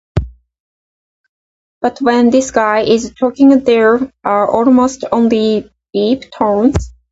But when this guy is talking, there are almost only beep tones.